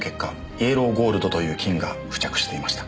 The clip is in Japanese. イエローゴールドという金が付着していました。